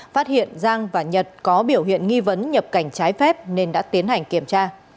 phát hiện giang và nhật có biểu hiện nghi vấn nhập cảnh trái phép nên đã tiến hành kiểm tra